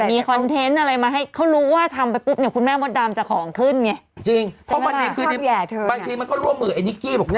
มีคอนเทนต์อะไรมาให้เขารู้ว่าทำไปปุ๊บเนี่ยคุณแม่บัดดำจะของขึ้นเนี่ย